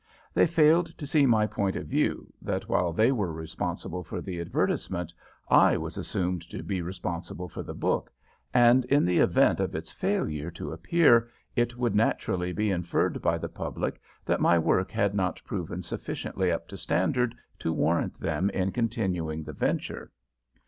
They failed to see my point of view, that, while they were responsible for the advertisement, I was assumed to be responsible for the book, and in the event of its failure to appear it would naturally be inferred by the public that my work had not proven sufficiently up to standard to warrant them in continuing the venture.